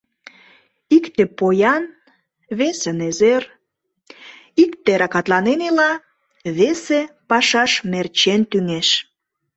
Икте поян, весе незер; икте ракатланен ила, весе пашаш мерчен тӱҥеш.